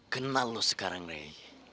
kenal lu sekarang rey